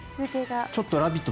ちょっと「ラビット！」